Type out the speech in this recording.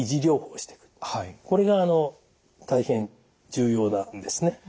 これが大変重要なんですね。